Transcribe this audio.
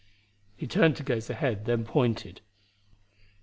He turned to gaze ahead, then pointed.